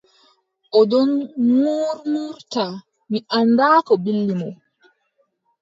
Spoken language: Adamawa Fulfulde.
O ɗon ŋuurŋuurta, mi anndaa Ko ɓilli mo.